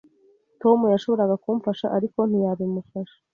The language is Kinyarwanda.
Tom yashoboraga kumfasha, ariko ntiyabimufasha.